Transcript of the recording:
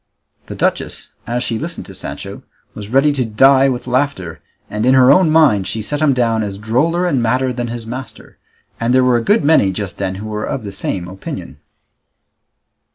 The duchess, as she listened to Sancho, was ready to die with laughter, and in her own mind she set him down as droller and madder than his master; and there were a good many just then who were of the same opinion.